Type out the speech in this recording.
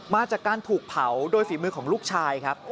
มาจากการถูกเผาโดยฝีมือของลูกชายครับ